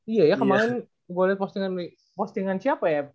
iya ya kemarin gue liat postingan siapa ya